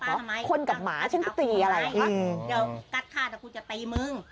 แล้วจ๗๐๐คนกัดหาเดี๋ยวคุณจ๊ะเปรย์มึง